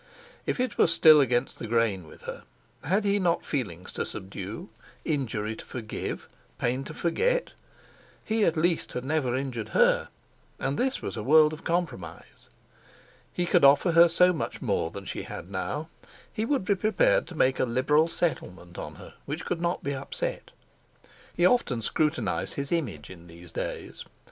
If it were still against the grain with her, had he not feelings to subdue, injury to forgive, pain to forget? He at least had never injured her, and this was a world of compromise! He could offer her so much more than she had now. He would be prepared to make a liberal settlement on her which could not be upset. He often scrutinised his image in these days.